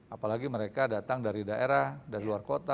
apalagi mereka datang dari daerah dari luar kota